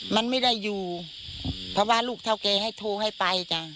มันไม่ได้อยู่เพราะว่าลูกเขาเขาไฟโทให้ไป